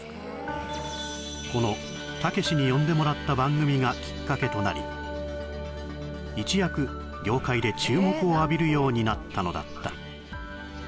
このたけしに呼んでもらった番組がきっかけとなり一躍業界で注目を浴びるようになったのだった